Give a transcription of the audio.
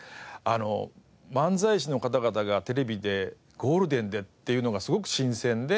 漫才師の方々がテレビでゴールデンでっていうのがすごく新鮮で。